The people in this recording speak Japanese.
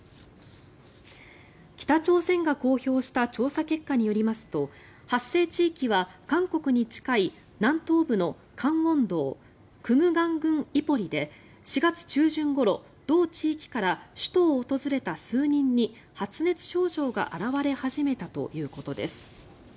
北朝鮮が公表した調査結果によりますと発生地域は韓国に近い南東部の江原道金剛郡伊布里で４月中旬ごろ同地域から首都を訪れた数人に発熱症状が表れ始めたということです。